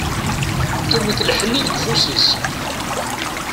Tewwet lḥenni deg ufus-is.